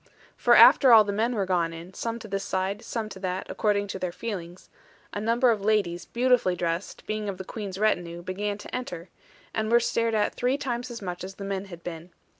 For after all the men were gone, some to this side, some to that, according to their feelings, a number of ladies, beautifully dressed, being of the Queen's retinue, began to enter, and were stared at three times as much as the men had been.